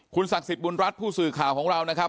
ศักดิ์สิทธิ์บุญรัฐผู้สื่อข่าวของเรานะครับ